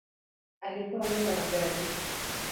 Alipewa nyumba na gari